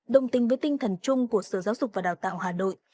đồng tình với tinh thần chung của sở giáo dục và đào tạo hà nội